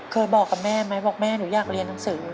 บอกกับแม่ไหมบอกแม่หนูอยากเรียนหนังสือ